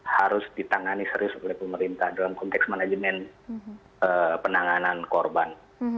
harus ditangani serius oleh pemerintah dalam konteks manajemen penanganan korban